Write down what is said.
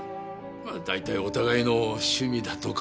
まあ大体お互いの趣味だとか。